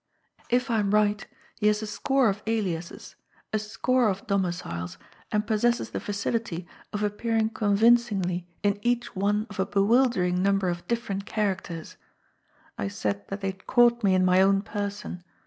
If I am right, he has a score of aliases, a score of domiciles, and possesses the facility of appearing convincingly in each one of a bewildering number of different characters. I said that they had caught me in my own person.